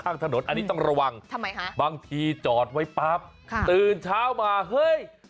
อันนี้ต้องระวังบางทีจอดไว้ปั๊บตื่นเช้ามาเฮ้ย